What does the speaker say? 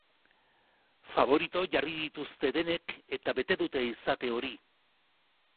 Faborito jarri dituzte denek eta bete dute izate hori.